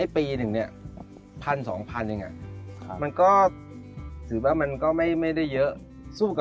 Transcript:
ปีนึงนี่๑๐๐๐๒๐๐๐อีก